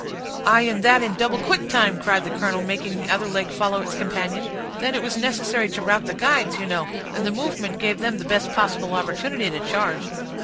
"Aye, and that in double quick time," cried the colonel, making the other leg follow its companion. "Then it was necessary to rout the guides, you know, and the movement gave them the best possible opportunity to charge."